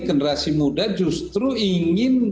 generasi muda justru ingin